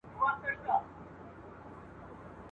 د باغلیو کښت په گټه د سلطان دئ ..